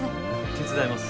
手伝います。